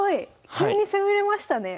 急に攻めれましたね。